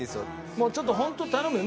もうちょっとホント頼むよ。